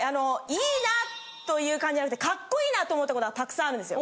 いいなという感じじゃなくてかっこいいなと思ったことはたくさんあるんですよ。